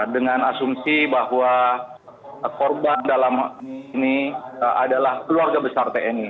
dengan asumsi bahwa korban dalam ini adalah keluarga besar tni